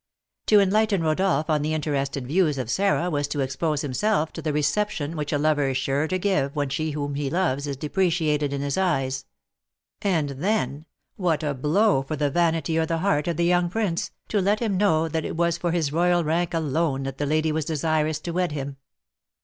To enlighten Rodolph on the interested views of Sarah was to expose himself to the reception which a lover is sure to give when she whom he loves is depreciated in his eyes; and then, what a blow for the vanity or the heart of the young prince, to let him know that it was for his royal rank alone that the lady was desirous to wed him!